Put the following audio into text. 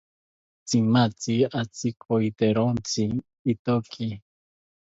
Tzimatzi atzikaitorentzi ithoki